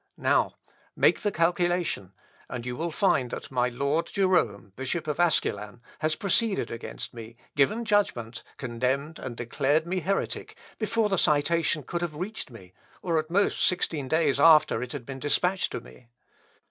Now, make the calculation, and you will find that my Lord Jerome, Bishop of Asculan, has proceeded against me, given judgment, condemned, and declared me heretic, before the citation could have reached me, or at most sixteen days after it had been despatched to me.